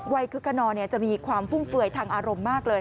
คึกขนอจะมีความฟุ่มเฟื่อยทางอารมณ์มากเลย